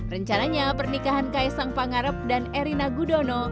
rencananya pernikahan kaisang pangarep dan erina gudono